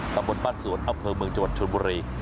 ตำบลบ้านสวนอำเภอเมืองจังหวัดชนบุรี